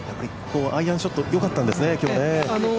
アイアンショットよかったんですね、今日ね。